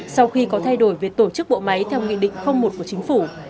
sau khi có thay đổi về tổ chức bộ máy theo nghị định một của chính phủ